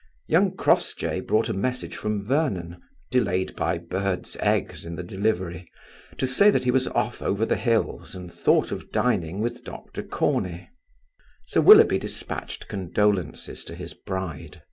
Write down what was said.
Young Crossjay brought a message from Vernon (delayed by birds' eggs in the delivery), to say that he was off over the hills, and thought of dining with Dr. Corney. Sir Willoughby despatched condolences to his bride.